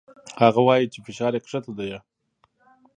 هغه وايي چې فشار يې کښته ديه.